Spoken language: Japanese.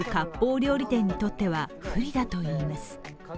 料理にとっては不利だといいます。